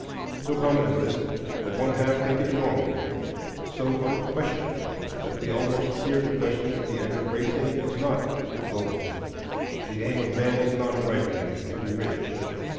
So common is this that one half think it normal; so unquestioned, that we almost fear to question if the end of racing is not gold, if the aim of man is not rightly to be rich.